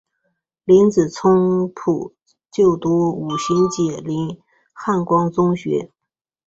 林子聪曾就读五旬节林汉光中学。